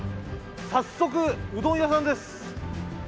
早速うどん屋さんです。